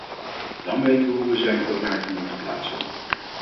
Dan weten we hoe we zijn opmerking moeten plaatsen!